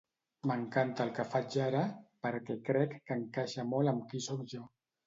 M'encanta el que faig ara perquè crec que encaixa molt amb qui soc jo.